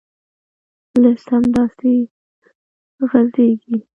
لیست همداسې غځېږي.